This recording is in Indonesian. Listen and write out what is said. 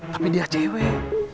tapi dia cewek